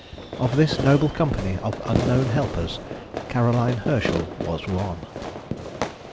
Of this noble company of unknown helpers Caroline Herschel was one.